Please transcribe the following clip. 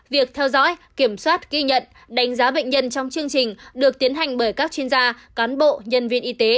việc theo dõi kiểm soát ghi nhận đánh giá bệnh nhân trong chương trình được tiến hành bởi các chuyên gia cán bộ nhân viên y tế